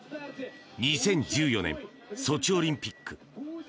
２０１４年ソチオリンピック。